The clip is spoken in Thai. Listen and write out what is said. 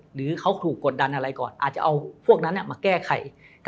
หรือเขาถูกกดดันอะไรก่อนอาจจะเอาพวกนั้นมาแก้ไข